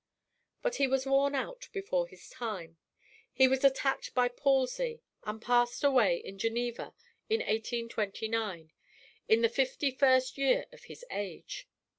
But he was worn out before his time. He was attacked by palsy, and passed away at Geneva in 1829, in the fifty first year of his age.